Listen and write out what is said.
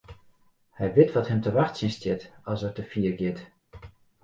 Hy wit wat him te wachtsjen stiet as er te fier giet.